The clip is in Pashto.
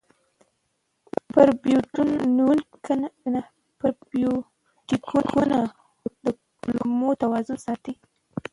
پروبیوتیکونه د کولمو توازن ساتي.